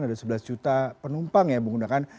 ada sebelas juta penumpang yang menggunakan